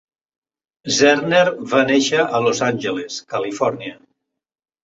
Zerner va néixer a Los Angeles, Califòrnia.